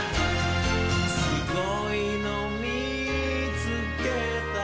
「すごいのみつけた」